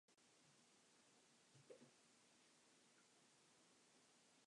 A complex series of plot twists follows.